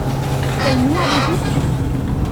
Quel nom avez-vous ?